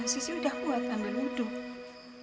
sisi udah buat ambil wuduk